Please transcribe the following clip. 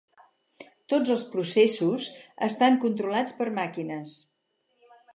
Tots els processos estan controlats per màquines.